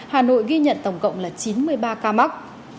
hà nội ghi nhận tổng cộng là chín mươi ba ca mắc